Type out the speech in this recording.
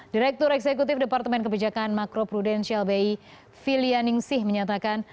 direktur eksekutif departemen kebijakan makro prudensial bi filia ningsih menyatakan